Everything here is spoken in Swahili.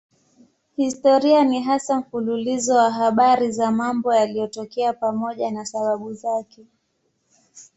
Historia ni hasa mfululizo wa habari za mambo yaliyotokea pamoja na sababu zake.